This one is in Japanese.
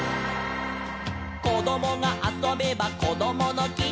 「こどもがあそべばこどものき」